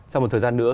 sau một thời gian nữa